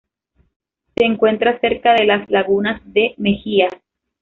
Se encuentra cerca de las lagunas de Mejía.